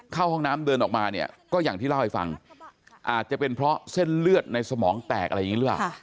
เข้าห้องน้ำเดินออกมาเนี่ยก็อย่างที่เล่าให้ฟังอาจจะเป็นเพราะเส้นเลือดในสมองแตกอะไรอย่างนี้หรือเปล่า